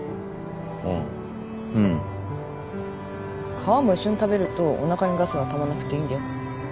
皮も一緒に食べるとおなかにガスがたまんなくていいんだよ。